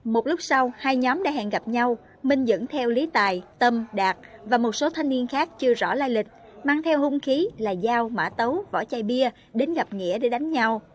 một lúc sau hai nhóm đã hẹn gặp nhau minh dẫn theo lý tài tâm đạt và một số thanh niên khác chưa rõ lai lịch mang theo hung khí là dao mã tấu vỏ chai bia đến gặp nghĩa để đánh nhau